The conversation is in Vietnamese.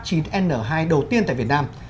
thứ hai đầu tiên tại việt nam